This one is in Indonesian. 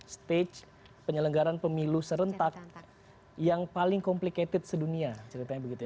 stage penyelenggaran pemilu serentak yang paling complicated sedunia ceritanya begitu ya